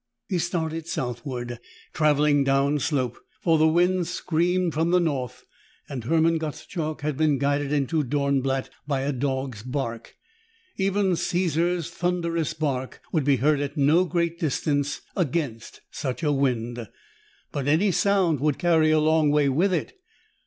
He started southward, traveling downslope, for the wind screamed from the north and Hermann Gottschalk had been guided into Dornblatt by a dog's bark. Even Caesar's thunderous bark would be heard at no great distance against such a wind. But any sound would carry a long way with it.